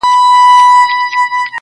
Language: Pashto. • ګرم خو به نه یم چي تیاره ستایمه..